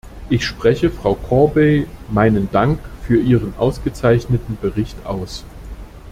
Ich spreche Frau Corbey meinen Dank für ihren ausgezeichneten Bericht aus.